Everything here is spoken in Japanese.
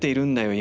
今。